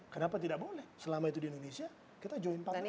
kenapa tidak boleh selama itu di indonesia kita join partner